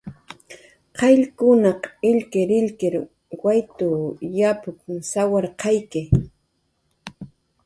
"Qayllkunaq illkirillkir waytw yapup""n sawarqayki."